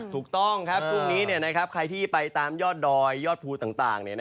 ถูกต้องครับช่วงนี้ใครที่ไปตามยอดดอยยอดภูต่าง